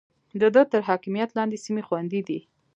د ده تر حاکميت لاندې سيمې خوندي دي.